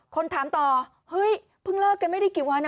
คนถามต่อเฮ้ยเพิ่งเลิกกันไม่ได้กี่วัน